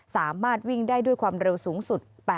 สามารถวิ่งได้ด้วยความเร็วสูงสุด